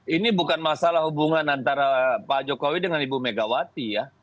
ini bukan masalah hubungan antara pak jokowi dengan ibu megawati ya